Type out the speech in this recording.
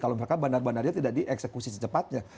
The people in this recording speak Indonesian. kalau mereka bandar bandarnya tidak dieksekusi secepatnya